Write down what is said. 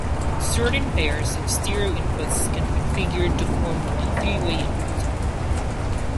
Certain pairs of stereo inputs can be configured to form one three-way input.